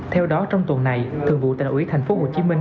theo đó trong tuần này thường vụ thành ủy thành phố hồ chí minh